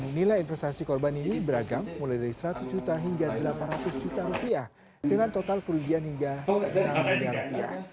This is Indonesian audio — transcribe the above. nilai investasi korban ini beragam mulai dari seratus juta hingga delapan ratus juta rupiah dengan total kerugian hingga enam miliar rupiah